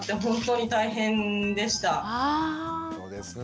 そうですね。